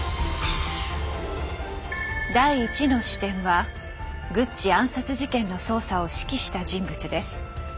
第１の視点はグッチ暗殺事件の捜査を指揮した人物です。